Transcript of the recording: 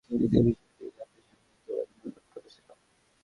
আমিই প্রথম বাংলাদেশ সরকারকে চিঠি দিয়ে বিষয়টি জাতিসংঘে তোলার জন্য অনুরোধ করেছিলাম।